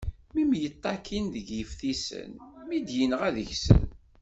Mi mṭakin deg yeftisen, mi d-yenɣa deg-sen.